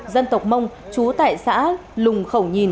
dân tộc mông chú tại xã lùng khẩu nhi